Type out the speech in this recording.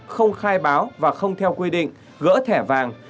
không khai báo và không theo quy định gỡ thẻ vàng